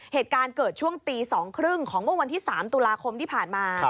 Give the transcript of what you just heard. เหตุการณ์เกิดช่วงตี๒๓๐ของเมื่อวันที่๓ตุลาคมที่ผ่านมา